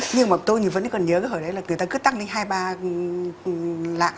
nhưng mà tôi vẫn còn nhớ cái hồi đấy là người ta cứ tăng lên hai ba lạng